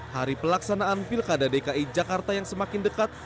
hari pelaksanaan pilkada dki jakarta yang semakin dekat